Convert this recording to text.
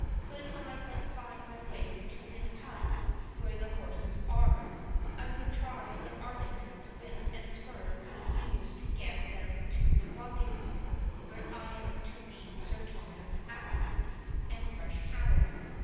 "Could I but find my way to this hut where the horses are, I would try what arguments whip and spur could use to get them to the rendezvous, where I am to meet Sir Thomas Acland and fresh cattle.